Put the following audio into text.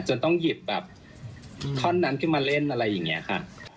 จนต้องหยิบแบบท่อนนั้นขึ้นมาเล่นอะไรอย่างนี้ค่ะ